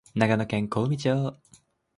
長野県小海町